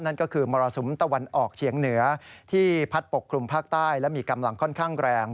นั่นก็คือมรสุมตะวันออกเฉียงเหนือที่พัดปกคลุมภาคใต้และมีกำลังค่อนข้างแรง